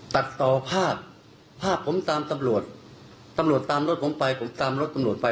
ตัดต่อภาพภาพผมตามตำรวจตำรวจตามรถผมไปผมตามรถตำรวจไป